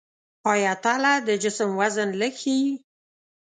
آیا تله د جسم وزن لږ ښيي؟